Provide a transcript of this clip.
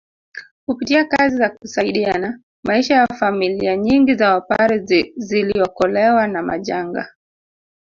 Kupitia kazi za kusaidiana maisha ya familia nyingi za Wapare ziliokolewa na majanga